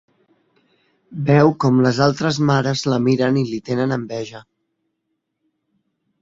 Veu com les altres mares la miren i li tenen enveja.